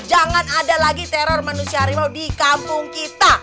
jangan ada lagi teror manusia harimau di kampung kita